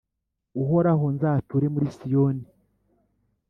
Uhoraho, nzature muri Siyoni.